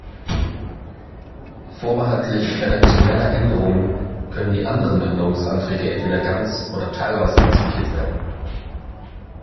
Vorbehaltlich redaktioneller Änderungen können die anderen Änderungsanträge entweder ganz oder teilweise akzeptiert werden.